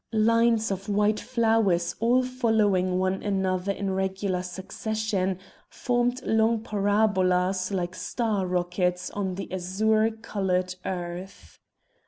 Lines of white flowers all following one another in regular succession formed long parabolas like star rockets on the azure coloured earth.